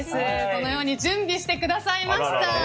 このように準備してくださいました。